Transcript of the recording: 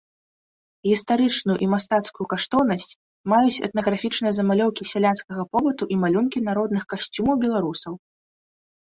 Гістарычную і мастацкую каштоўнасць маюць этнаграфічныя замалёўкі сялянскага побыту і малюнкі народных касцюмаў беларусаў.